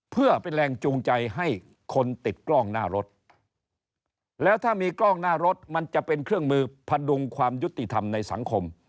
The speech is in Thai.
เพื่อเป็นแรงจูงใจให้คนติดกล้องหน้ารถแล้วถ้ามีกล้องหน้ารถมันจะเป็นเครื่องมือพดุงความยุติธรรมในสังคม